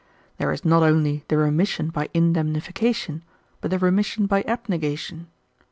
There is not only the remission by indemnification but the remission by abnegation.